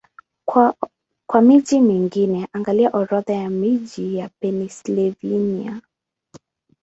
Kwa miji mingine, angalia Orodha ya miji ya Pennsylvania.